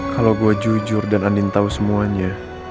kalau gue jujur dan andin tahu semuanya